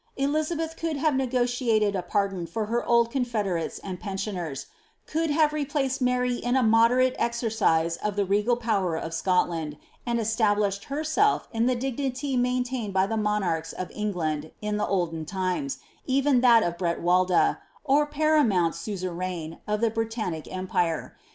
Ehiabclh ciiuld liave negnliated a |urdnn I'ui har old confederates and pensioners — eould have replaced 3Iary la a inodenle exercise of the re^t power of Scot land, and eslablisheil herwlf in the dignity maintained by the mutiarcha of England in llie olden times, even that of Breiwalda, or pariimuniiu suEctain, of the Briunnir. empire.